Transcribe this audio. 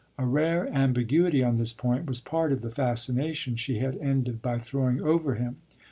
A rare ambiguity on this point was part of the fascination she had ended by throwing over him.